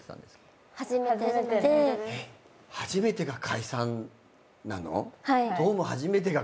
初めてが解散なの？